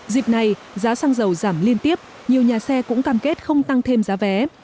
dịp này giá xăng dầu giảm liên tiếp nhiều nhà xe cũng cam kết không tăng thêm giá vé